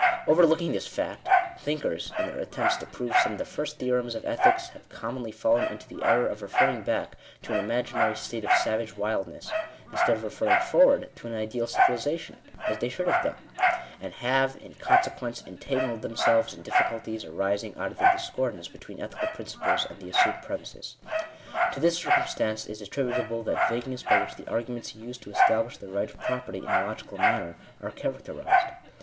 Over looking this fact, thinkers, in their attempts to prove some of the first theorems of ethics, have commonly fallen into the error of referring back to an imaginary state of savage wildness, instead of referring forward to an ideal civilization, as they should have done ; and have, in consequence, entangled them selves in difficulties arising out of the discordance between ethical principles and the assumed premises. To this circum stance is attributable that vagueness by which the arguments used to establish the right of property in a logical manner, are characterized.